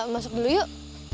masuk dulu yuk